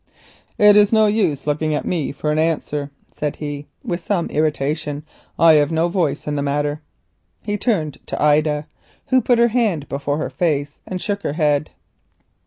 "It is no use looking to me for an answer," said he with some irritation. "I have no voice in the matter." He turned to Ida, who put her hand before her face and shook her head.